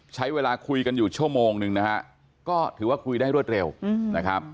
ใช้เวลาคุยกันอยู่ชั่วโมงนึงนะฮะก็ถือว่าคุยได้รวดเร็วนะครับ